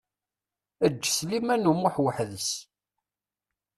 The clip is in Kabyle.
Eǧǧ Sliman U Muḥ weḥd-s.